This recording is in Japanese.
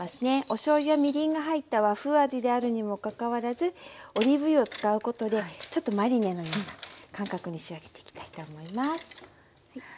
おしょうゆやみりんが入った和風味であるにもかかわらずオリーブ油を使うことでちょっとマリネのような感覚に仕上げていきたいと思います。